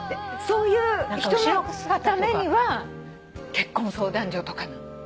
そういう人のためには結婚相談所とかなの。